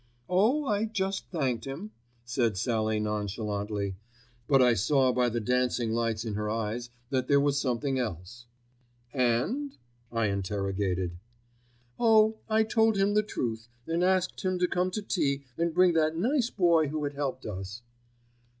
"Oh, I just thanked him," said Sallie nonchalantly; but I saw by the dancing lights in her eyes that there was something else. "And——?" I interrogated. "Oh! I told him the truth and asked him to come to tea and bring that nice boy who had helped us."